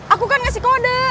aku kan ngasih kode